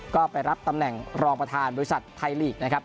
ก็ไปรับตำแหน่งรองประธานบริษัทไทยลีกนะครับ